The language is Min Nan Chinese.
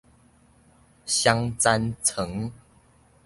雙層床